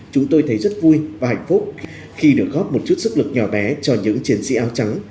chúng tôi thấy rất vui và hạnh phúc khi được góp một chút sức lực nhỏ bé cho những chiến sĩ áo trắng